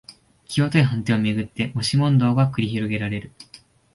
きわどい判定をめぐって押し問答が繰り広げられる